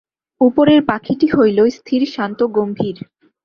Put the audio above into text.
উপরের পাখীটি হইল স্থির, শান্ত, গম্ভীর।